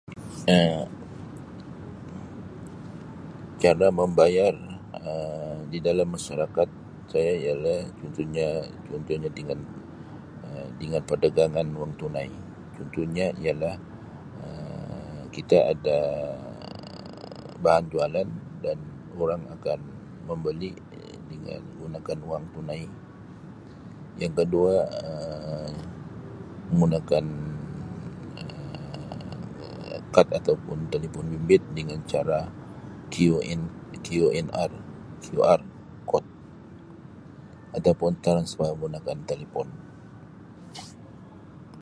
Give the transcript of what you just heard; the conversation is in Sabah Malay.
Um Cara membayar Um di dalam masarakat saya ialah contohnya-contohnya dengan Um dengan perdagangan wang tunai, contohnya ialah Um kita ada Um bahan jualan dan orang akan membeli dengan menggunakan wang tunai, yang kedua Um menggunakan Um kad atau pun telefon bimbit dengan cara QN-QNR-QR Code atau pun transfer menggunakan talipon.